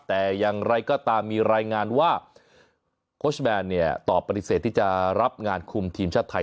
แต่อย่างไรก็ตามมีรายงานว่าโค้ชแบนเนี่ยตอบปฏิเสธที่จะรับงานคุมทีมชาติไทย